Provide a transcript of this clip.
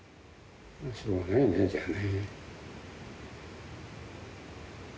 しょうがないねじゃあね。